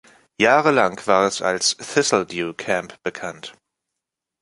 Jahrelang war es als Thistledew Camp bekannt.